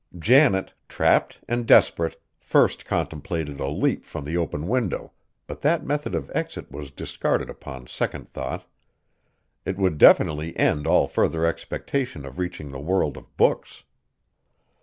Janet, trapped and desperate, first contemplated a leap from the open window, but that method of exit was discarded upon second thought. It would definitely end all further expectation of reaching the world of books!